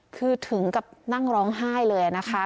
คือถึงกับนั่งร้องไห้เลยนะคะ